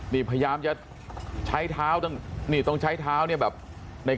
นี่ระยะจะในการใช้เท้าเนี่ยด้านนี้แบบ